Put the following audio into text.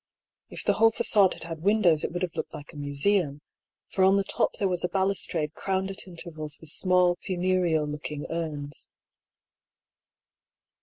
If the whole facade had had windows it would have looked like a museum, for on the top there was a balustrade crowned at intervals with small, fu nereal looking urns.